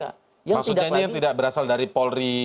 maksudnya ini yang tidak berasal dari polri